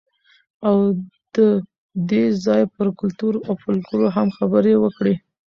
او د دې ځای پر کلتور او فولکلور هم خبرې وکړئ.